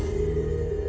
sekarang kakang prabu